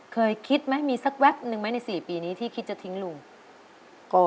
เคยคิดไหมมีสักแป๊บนึงไหมใน๔ปีนี้ที่คิดจะทิ้งลุง